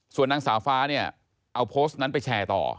ส่วนนางสาวฟ้าเนี่ยเอาโพสต์นั้นไปแชร์ต่อ